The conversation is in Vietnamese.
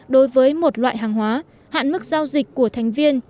đối với một loại hàng hóa hạn mức giao dịch của thành viên